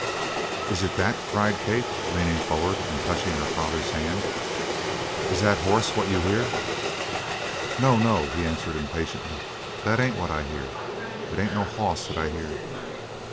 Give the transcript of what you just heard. "Is it that?" cried Kate, leaning forward and touching her father's hand. "Is that horse what you hear?" "No, no!" he answered impatiently. "That ain't what I hear. It ain't no hoss that I hear!"